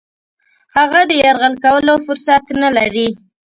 هغه د یرغل کولو فرصت نه لري.